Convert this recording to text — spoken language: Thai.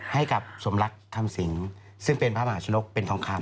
ให้กับสมรักคำสิงซึ่งเป็นพระมหาชนกเป็นทองคำ